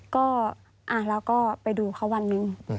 ก็ไปดูเขาวันหนึ่ง